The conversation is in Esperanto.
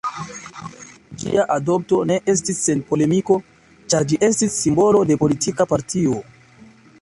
Ĝia adopto ne estis sen polemiko, ĉar ĝi estis simbolo de politika partio.